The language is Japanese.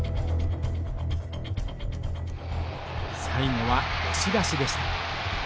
最後は押し出しでした。